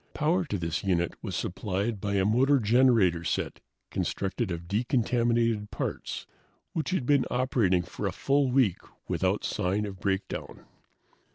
Power to this unit was supplied by a motor generator set constructed of decontaminated parts, which had been operating for a full week without sign of breakdown.